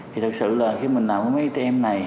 thì thực sự là khi mình làm với máy atm này